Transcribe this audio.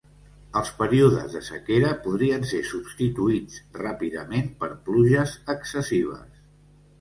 Els períodes de sequera podrien ser substituïts ràpidament per pluges excessives.